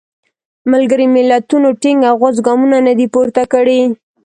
ملګري ملتونو ټینګ او غوڅ ګامونه نه دي پورته کړي.